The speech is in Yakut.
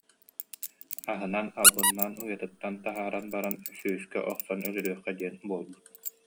Аһынан албыннаан уйатыттан таһааран баран сүүскэ охсон өлөрүөххэ диэн буолбут